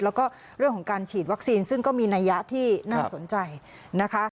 แล้วก็เรื่องของการฉีดวัคซีนซึ่งก็มีนัยยะที่น่าสนใจนะคะ